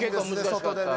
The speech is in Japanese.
外でね